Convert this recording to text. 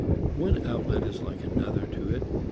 One outlet is like another to it.